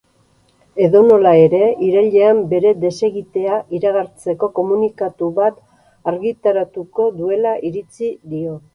Edonola ere, irailean bere desegitea iragartzeko komunikatu bat argitaratuko duela iritzi dio.